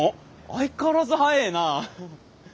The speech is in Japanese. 相変わらず速ぇな！